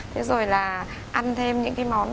thế rồi là ăn thêm những cái món